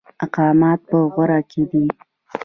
ایماقان په غور کې دي؟